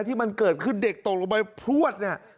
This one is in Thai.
ที่มันเกิดขึ้นเด็กตกลงไปพลวดเนี่ย